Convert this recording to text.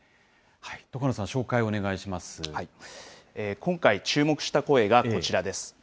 戸叶さん、今回、注目した声がこちらです。